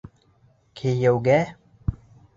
Кейәүгә?